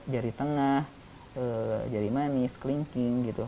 jari tengah jari manis kelingking gitu